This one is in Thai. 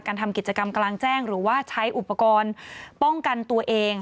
ทำกิจกรรมกลางแจ้งหรือว่าใช้อุปกรณ์ป้องกันตัวเอง